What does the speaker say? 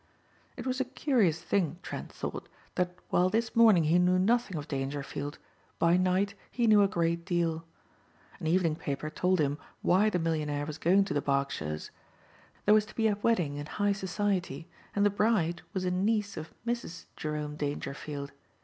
It was a curious thing, Trent thought, that while this morning he knew nothing of Dangerfield, by night he knew a great deal. An evening paper told him why the millionaire was going to the Berkshires. There was to be a wedding in high society and the bride was a niece of Mrs. Jerome Dangerfield.